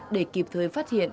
để kịp thời phát hiện